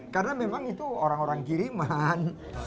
karena memang itu orang orang kiriman